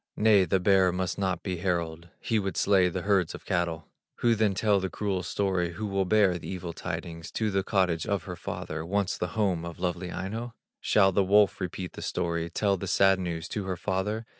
Nay, the bear must not be herald, He would slay the herds of cattle. Who then tell the cruel story, Who will bear the evil tidings To the cottage of her father, Once the home of lovely Aino? Shall the wolf repeat the story, Tell the sad news to her father?